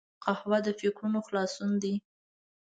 قهوه د فکرونو خلاصون دی